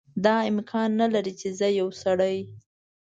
دا امکان نه لري چې زه یو سړی.